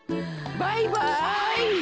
バイバイ。